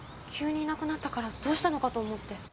急にいなくなったからどうしたのかと思って。